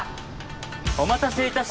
お待たせいたし。